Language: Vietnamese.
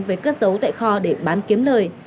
với cất dấu tại kho để bán kiếm lời